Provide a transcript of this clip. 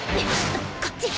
こっち！